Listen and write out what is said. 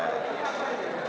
ini domen yang terlibat